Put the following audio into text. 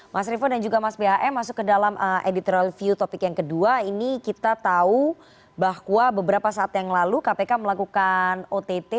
mas revo dan juga mas bhm masuk ke dalam editorial view topik yang kedua ini kita tahu bahwa beberapa saat yang lalu kpk melakukan ott